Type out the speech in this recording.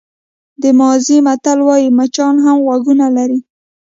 د مازی متل وایي مچان هم غوږونه لري.